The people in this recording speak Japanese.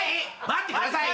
待ってください。